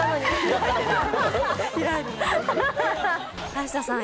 林田さん